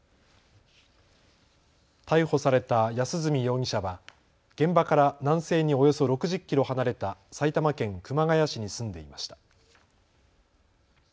逮捕された安栖容疑者は現場から南西におよそ６０キロ離れた埼玉県熊谷市に住んでいました。